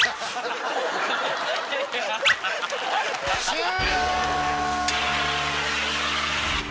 終了！